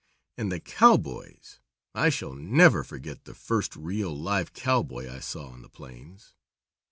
And the cowboys! I shall never forget the first real, live cowboy I saw on the plains.